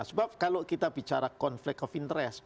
sebab kalau kita bicara konflik of interest